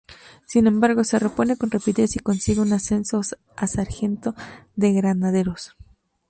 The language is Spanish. Sin embargo, se repone con rapidez y consigue un ascenso a sargento de granaderos.